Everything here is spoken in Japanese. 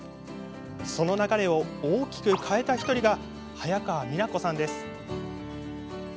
その流れを大きく変えた１人が早川美奈子さんです。